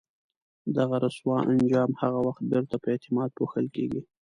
دغه رسوا انجام هغه وخت بیرته په اعتماد پوښل کېږي.